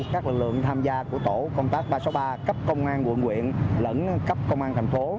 các lực lượng tham gia của tổ công tác ba trăm sáu mươi ba cấp công an quận quyện lẫn cấp công an thành phố